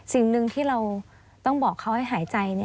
สิ่งหนึ่งที่เราต้องบอกเขาให้หายใจ